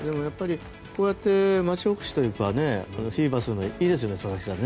こうやって町おこしというかフィーバーするのはいいですよね佐々木さん。